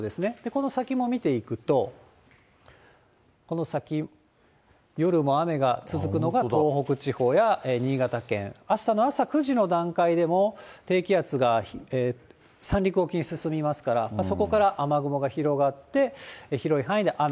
この先も見ていくと、この先、夜も雨が続くのが東北地方や新潟県、あしたの朝９時の段階でも、低気圧が三陸沖に進みますから、そこから雨雲が広がって、広い範囲で雨。